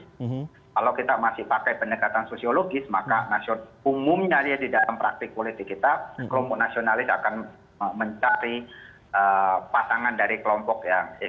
kalau kita masih pakai pendekatan sosiologis maka umumnya di dalam praktik politik kita kelompok nasionalis akan mencari pasangan dari kelompok yang